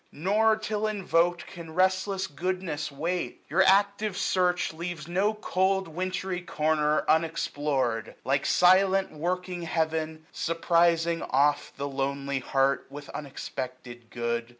Nor, till invoked. Can restless goodness wait ; your ac^ve search 88a Leaves no cold wintry corner unexplored ; Like silent working Heaven, surprizing oft The lonely heart with unexpected good.